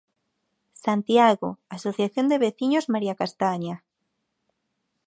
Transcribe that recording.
Santiago: Asociación de Veciños María Castaña.